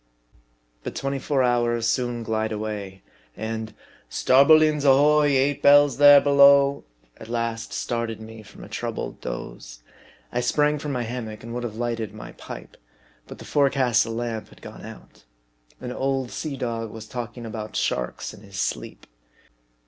But twenty four hours soon glide away ; and " Starbo leens ahoy ! eight bells there below !" at last started me from a troubled doze. I sprang from my hammock, and would have lighted my pipe. But the forecastle lamp had gone out. An old sea dog was talking about sharks in his sleep.